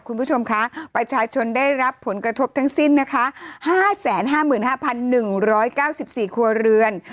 คุณผู้ชมคะประชาชนได้รับผลกระทบทั้งสิ้นนะคะ๕๕๑๙๔ครัวเรือน